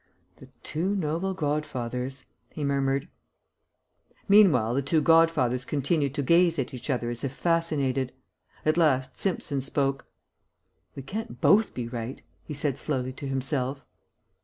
"The two noble godfathers," he murmured. Meanwhile the two godfathers continued to gaze at each other as if fascinated. At last Simpson spoke. "We can't both be right," he said slowly to himself.